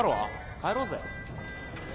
帰ろうぜ。